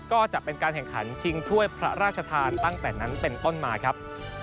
ก็จะเป็นการแข่งขันชิงถ้วยพระราชทานตั้งแต่นั้นเป็นต้นมาครับ